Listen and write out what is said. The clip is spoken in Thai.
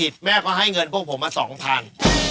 สีต้น